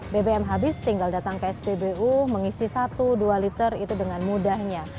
bbm habis tinggal datang ke spbu mengisi satu dua liter itu dengan mudahnya